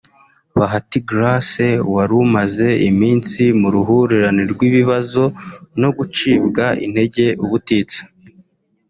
Bahati Grace wari umaze iminsi mu ruhurirane rw’ibibazo no gucibwa intege ubutitsa